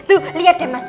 tuh liat deh mas